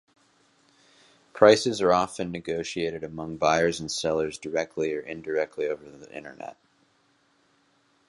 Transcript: Prices are often negotiated among buyers and sellers directly or indirectly over the Internet.